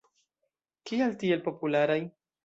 Kial tiel popularaj?